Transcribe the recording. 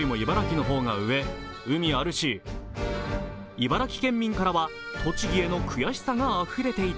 茨城県民からは栃木への悔しさがあふれていた。